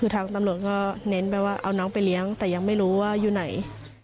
คือทางตำรวจก็เน้นไปว่าเอาน้องไปเลี้ยงแต่ยังไม่รู้ว่าอยู่ไหน